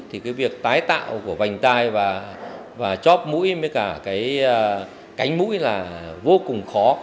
thì cái việc tái tạo của vành tai và chóp mũi với cả cái cánh mũi là vô cùng khó